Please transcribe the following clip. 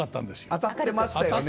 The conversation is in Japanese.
当たってましたよね。